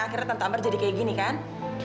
akhirnya tante ambar jadi kayak gini kan